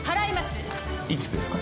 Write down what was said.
いつですか？